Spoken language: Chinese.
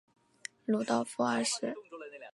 鲁道夫二世。